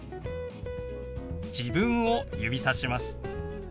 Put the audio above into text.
自分を指さします。